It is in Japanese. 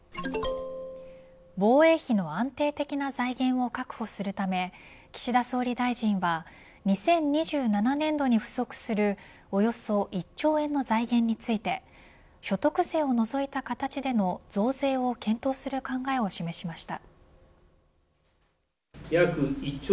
防衛費の安定的な財源を確保するため岸田総理大臣は２０２７年度に不足するおよそ１兆円の財源について所得税を除いた形での増税を検討する考えを示しました。